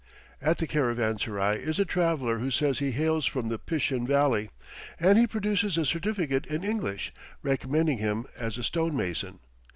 At the caravanserai is a traveller who says he hails from the Pishin Valley, and he produces a certificate in English, recommending him as a stone mason.